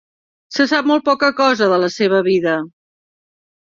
Se sap molt poca cosa de la seva vida.